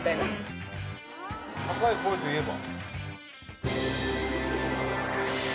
伊達：高い声といえば？